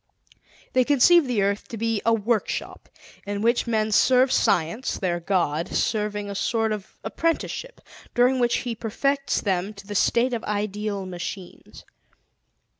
They conceive the earth to be a workshop in which men serve Science, their God, serving a sort of apprenticeship during which He perfects them to the state of ideal machines.